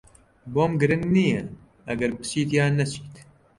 بۆم گرنگ نییە ئەگەر بچیت یان نەچیت.